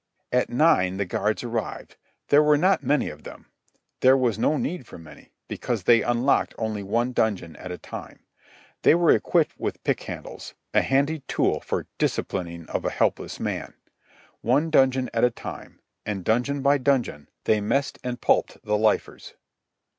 At nine the guards arrived. There were not many of them. There was no need for many, because they unlocked only one dungeon at a time. They were equipped with pick handles—a handy tool for the "disciplining" of a helpless man. One dungeon at a time, and dungeon by dungeon, they messed and pulped the lifers.